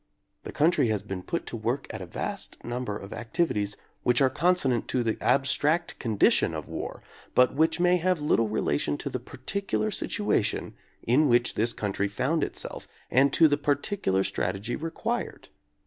The country has been put to work at a vast number of activities which are consonant to the abstract condition of war, but which may have little relation to the particular situation in which this country found itself and to the particular strategy required.